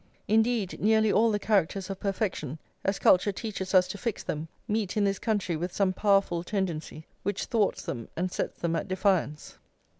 Indeed nearly all the characters of perfection, as culture teaches us to fix them, meet in this country with some powerful tendency which thwarts them and sets them at defiance.